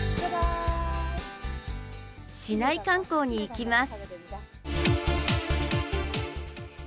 市内観光に行きます。